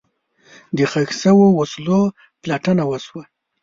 د ښخ شوو وسلو پلټنه وشوه.